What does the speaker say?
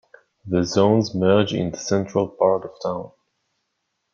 The zones merge in the central part of town.